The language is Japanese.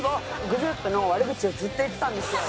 グループの悪口をずっと言ってたんですよ。